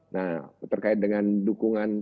nah terkait dengan dukungan